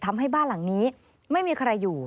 ทำให้บ้านหลังนี้ไม่มีใครอยู่